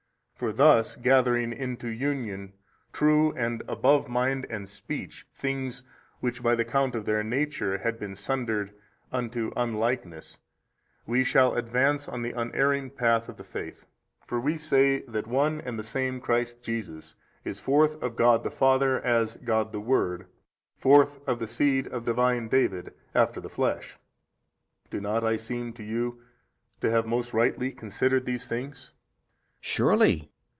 For thus gathering unto union true and above mind and speech things which by the count of their nature had been sundered unto unlikeness, we shall advance on the unerring path of the faith. For we say that One and the Same Christ Jesus is forth of God the Father as God the Word, forth of the seed of Divine David after the flesh. Do not I seem to you to have most rightly considered these things? B. Surely.